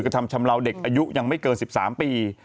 กระทำชำลาวเด็กอายุยังไม่เกิน๑๓ปี